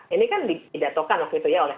ini kan pidatokan waktu itu ya oleh